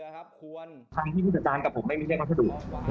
ครับควรคำที่พี่ศจรรย์กับผมไม่มีเท่าทะดุ